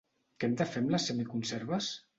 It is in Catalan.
Què hem de fer amb les semiconserves?